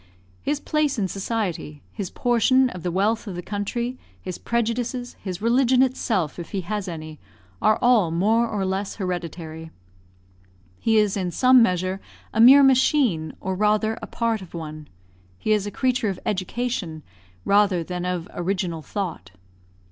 His place in society his portion of the wealth of the country his prejudices his religion itself, if he has any, are all more or less hereditary. He is in some measure a mere machine, or rather a part of one. He is a creature of education, rather than of original thought.